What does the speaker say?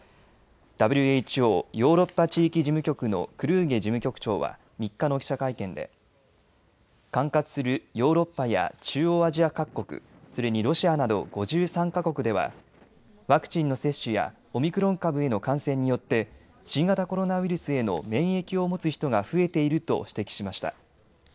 ＷＨＯヨーロッパ地域事務局のクルーゲ事務局長は３日の記者会見で管轄するヨーロッパや中央アジア各国、それにロシアなど５３か国ではワクチンの接種やオミクロン株への感染によって新型コロナウイルスへの免疫を持つ人が増えていると指摘しました。